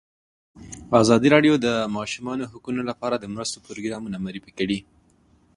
ازادي راډیو د د ماشومانو حقونه لپاره د مرستو پروګرامونه معرفي کړي.